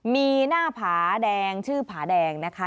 มีหน้าผาแดงชื่อผาแดงนะคะ